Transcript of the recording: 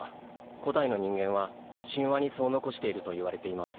古代の人間は神話にそう残しているといわれています。